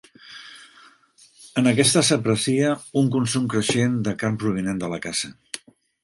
En aquestes, s'aprecia un consum creixent de carn provinent de la caça.